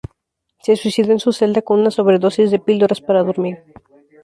Se suicidó en su celda, con una sobredosis de píldoras para dormir.